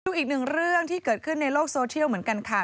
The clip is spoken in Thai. อีกหนึ่งเรื่องที่เกิดขึ้นในโลกโซเชียลเหมือนกันค่ะ